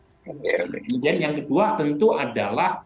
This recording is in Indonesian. kemudian yang kedua tentu adalah